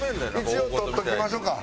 一応撮っときましょうか。